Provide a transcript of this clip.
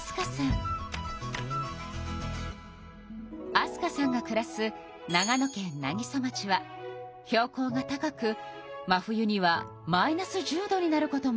明日香さんがくらす長野県南木曽町は標高が高く真冬にはマイナス１０度になることもあるそうよ。